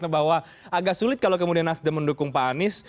bahwa agak sulit kalau kemudian nasdem mendukung pak anies